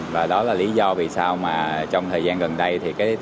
và đó là lý do vì sao trong thời gian gần đây